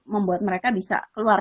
membuat mereka bisa keluar